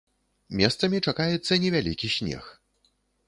Месцамі чакаецца невялікі снег.